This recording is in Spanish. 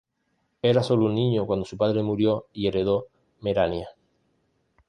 Era solo un niño cuando su padre murió y heredó Merania.